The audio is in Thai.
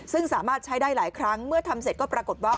ซึ่งสามารถใช้ได้หลายครั้งเมื่อทำเสร็จก็ปรากฏว่า